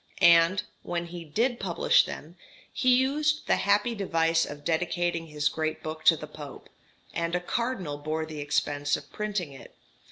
And, when he did publish them, he used the happy device of dedicating his great book to the Pope, and a cardinal bore the expense of printing it.